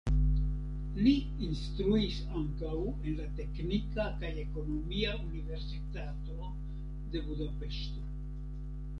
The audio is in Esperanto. Li instruis ankaŭ en la Teknika kaj Ekonomia Universitato de Budapeŝto.